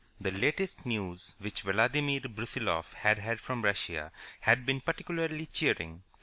The latest news which Vladimir Brusiloff had had from Russia had been particularly cheering.